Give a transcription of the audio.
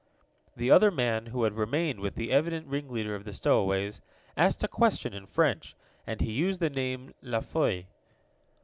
The other man, who had remained with the evident ringleader of the stowaways, asked a question, in French, and he used the name La Foy.